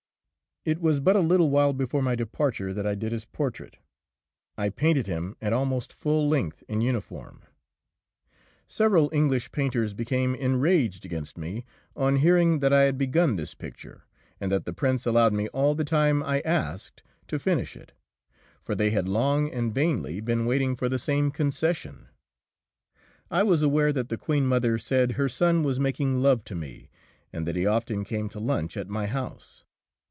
It was but a little while before my departure that I did his portrait. I painted him at almost full length, in uniform. Several English painters became enraged against me on hearing that I had begun this picture and that the Prince allowed me all the time I asked to finish it, for they had long and vainly been waiting for the same concession. I was aware that the Queen mother said her son was making love to me, and that he often came to lunch at my house.